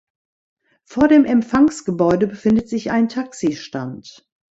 Vor dem Empfangsgebäude befindet sich ein Taxistand.